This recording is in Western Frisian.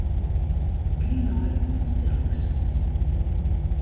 Gean nei ynstellings.